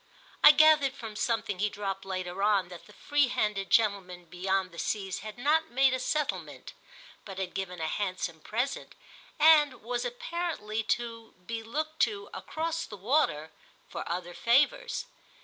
I gathered from something he dropped later on that the free handed gentleman beyond the seas had not made a settlement, but had given a handsome present and was apparently to be looked to, across the water, for other favours.